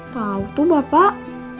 tau tuh bapak